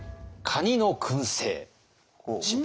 カニのくんせい？